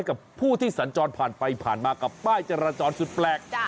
กับผู้ที่สัญจรผ่านไปผ่านมากับป้ายจราจรสุดแปลก